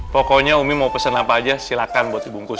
pokoknya umi mau pesen apa aja silakan buat dibungkus